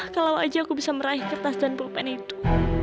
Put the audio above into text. kalau aja aku bisa meraih kertas dan propen itu